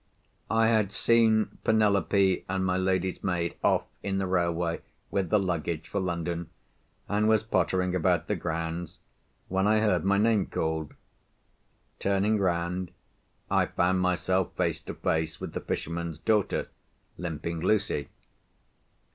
I had seen Penelope and my lady's maid off in the railway with the luggage for London, and was pottering about the grounds, when I heard my name called. Turning round, I found myself face to face with the fisherman's daughter, Limping Lucy.